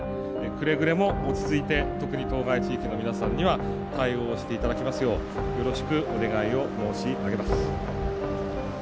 くれぐれも落ち着いて特に当該地域の皆さんには対応をしていただきますようよろしくお願いを申し上げます。